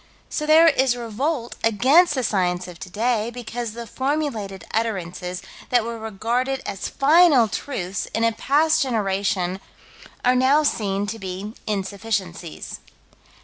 So there is revolt against the science of today, because the formulated utterances that were regarded as final truths in a past generation, are now seen to be insufficiencies.